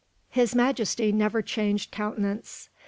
His Majesty never changed countenance.